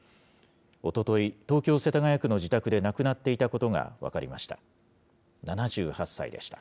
おととい、東京・世田谷区の自宅で亡くなっていたことが分かりました。